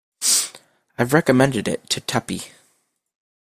I've recommended it to Tuppy.